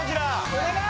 お願い！